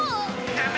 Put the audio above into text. ダメ！